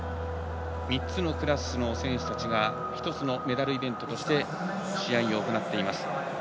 ３つのクラスの選手たちが１つのメダルイベントとして試合を行っています。